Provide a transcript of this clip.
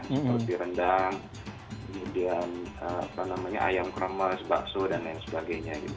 seperti rendang kemudian apa namanya ayam kremes bakso dan lain sebagainya gitu